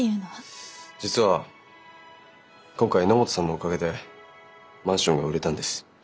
実は今回榎本さんのおかげでマンションが売れたんです。